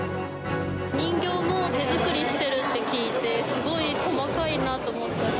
人形も手作りしてるって聞いて、すごい細かいなと思ったし。